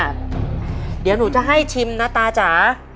เดี๋ยวหนูจะให้ชิมนะตาจ๋า